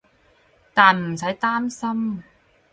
但唔使擔心